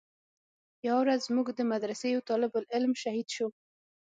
يوه ورځ زموږ د مدرسې يو طالب العلم شهيد سو.